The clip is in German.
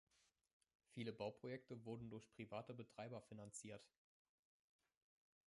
Viele Bauprojekte wurden durch private Betreiber finanziert.